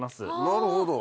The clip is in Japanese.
なるほど。